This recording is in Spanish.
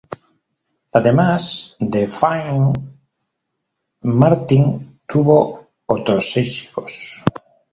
Además de Finn, Martin tuvo otros seis hijos.